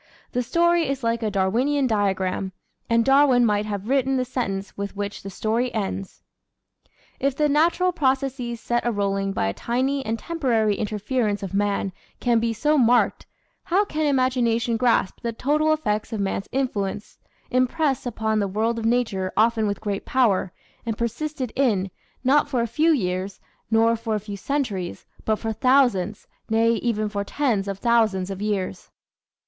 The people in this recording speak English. The story is like a Darwinian diagram, and Darwin might have written the sentence with which the story ends: If the natural processes set a rolling by a tiny and temporary interference of man can be so marked, how can imagination grasp the total effects of man's influence, impressed upon the world of Nature often with great power, and persisted in, not for a few years, nor for a few centuries, but for thousands, nay, even for tens of thousands of years.